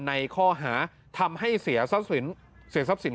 ในข้อหาทำให้เสียทรัพย์สิน